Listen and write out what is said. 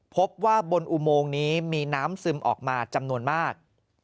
พบว่าบนอุโมงนี้มีน้ำซึมออกมาจำนวนมาก